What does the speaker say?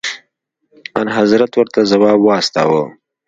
انحضرت ورته ځواب واستوه.